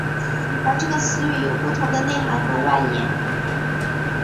而这个词语有不同的内涵和外延。